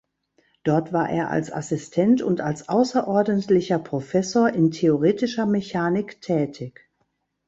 Dort war er als Assistent und als außerordentlicher Professor in theoretischer Mechanik tätig.